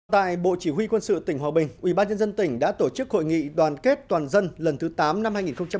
tại bộ chỉ huy quân sự tỉnh hòa bình ubnd tỉnh đã tổ chức hội nghị đoàn kết toàn dân lần thứ tám năm hai nghìn một mươi bốn hai nghìn một mươi năm